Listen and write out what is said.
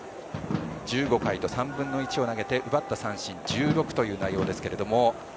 １５回と３分の１を投げて奪った三振１６という内容です。